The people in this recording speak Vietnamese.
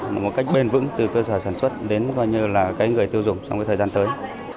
một cách bền vững từ cơ sở sản xuất đến coi như là cái người tiêu dùng trong cái thời gian tới